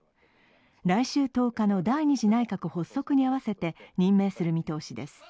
来週１０日の第２次内閣発足に合わせて任命する見通しです。